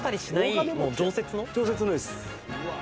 常設のです。